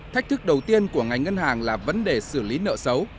thách thức đầu tiên của ngành ngân hàng là vấn đề xử lý nợ xấu